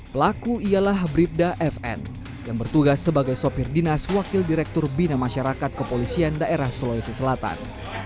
pelaku ialah bribda fn yang bertugas sebagai sopir dinas wakil direktur bina masyarakat kepolisian daerah sulawesi selatan